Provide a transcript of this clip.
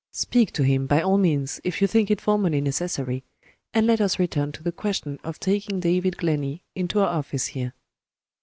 Speak to him, by all means, if you think it formally necessary and let us return to the question of taking David Glenney into our office here.